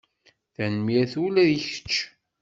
Tanemmirt! Ula i kečč!